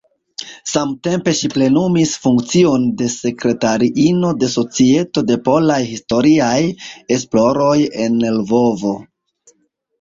Samtempe ŝi plenumis funkcion de sekretariino de Societo de Polaj Historiaj Esploroj en Lvovo.